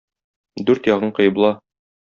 Дүрт ягың кыйбла.